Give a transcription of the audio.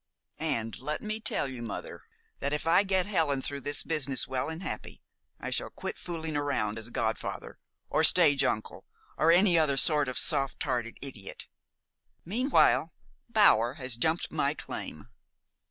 And let me tell you, mother, that if I get Helen through this business well and happy, I shall quit fooling round as godfather, or stage uncle, or any other sort of soft hearted idiot. Meanwhile, Bower has jumped my claim."